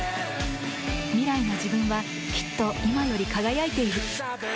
未来の自分はきっと今より輝いている。